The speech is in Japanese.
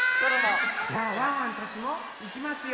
じゃあワンワンたちもいきますよ！